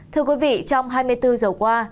thưa quý vị trong hai mươi bốn giờ qua